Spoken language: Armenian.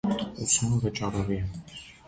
Ուսումը վճարովի է։